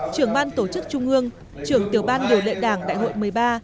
trưởng ban tổ chức trung ương trưởng tiểu ban điều lệ đảng đại hội một mươi ba